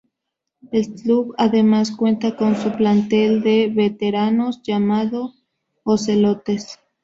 El club además cuenta con su plantel de veteranos llamado "Ocelotes".